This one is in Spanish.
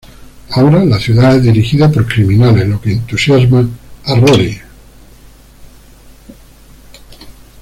Ahora, la ciudad es dirigida por criminales, lo que entusiasma a Rory.